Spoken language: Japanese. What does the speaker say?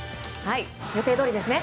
予定どおりですね。